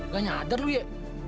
gak nyadar lu ya